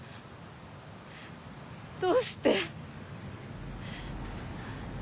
どうして？